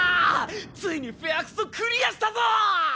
ついに「フェアクソ」クリアしたぞ！